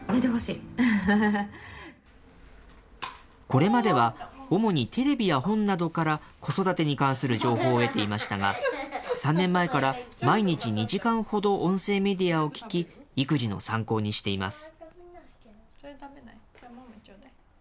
これまでは、主にテレビや本などから子育てに関する情報を得ていましたが、３年前から毎日２時間ほど音声メディアを聞き、育児の参考にしています。